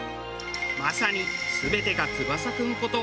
まさに全てが翼君こと